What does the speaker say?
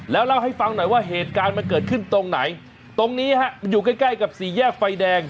แล้วเล่าให้ฟังหน่อยว่าเหตุการณ์มันเกิดขึ้นตรงไหนตรงนี้ฮะมันอยู่ใกล้ใกล้กับสี่แยกไฟแดง